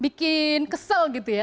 bikin kesel gitu ya